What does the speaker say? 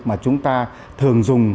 mà chúng ta thường dùng